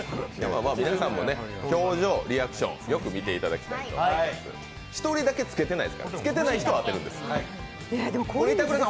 まあ皆さんも、表情、リアクションよく見ていただいて１人だけ着けてないですから、着けてない人を当ててください。